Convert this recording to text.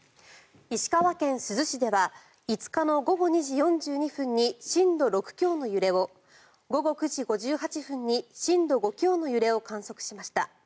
石川県珠洲市では５日の午後２時４２分に震度６強の揺れを午後９時５８分に震度５強の揺れを観測しました。